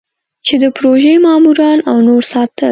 چې د پروژې ماموران او نور ساتل.